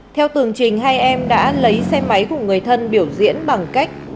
theo tường trình hai em đã lấy xe máy của người thân biểu diễn bằng cách bốc